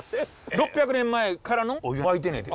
６００年前からのお湯湧いてんねんて。